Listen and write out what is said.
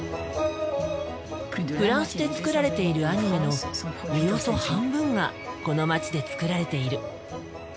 フランスで作られているアニメのおよそ半分がこの街で作られている。